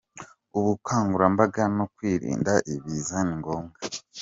Ubukangurambaga no kwirinda ibiza ni ngombwa.